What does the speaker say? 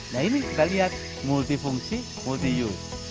nah ini kita lihat multifungsi multi u